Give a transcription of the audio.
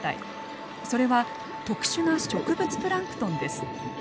それは特殊な植物プランクトンです。